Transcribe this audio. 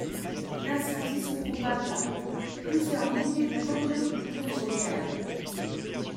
L'incendie se propagea ; plusieurs milliers de tonneaux de poudre sautèrent.